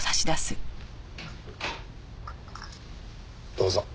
どうぞ。